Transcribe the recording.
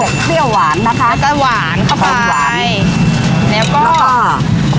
เป็นเปรี้ยวหวานนะคะแล้วก็หวานเข้าไปแล้วก็แล้วก็